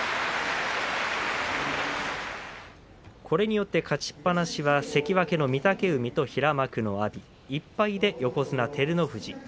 これによって勝ちっぱなしは関脇の御嶽海と平幕の阿炎、１敗で横綱照ノ富士。